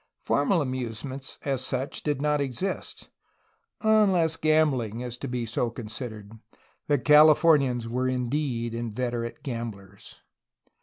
Formal amusements, as such, did not exist, unless gambling is to be so considered. The Cali f ornians were indeed inveterate gamblers.